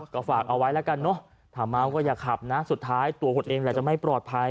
ก็ฝากเอาไว้แล้วกันเนอะถ้าเมาก็อย่าขับนะสุดท้ายตัวคุณเองแหละจะไม่ปลอดภัย